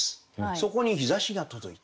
そこに陽射しが届いた。